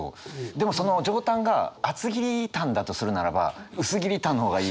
でもその上タンが厚切りタンだとするならば薄切りタンの方がいい。